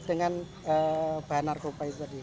dengan bahan narkoba itu tadi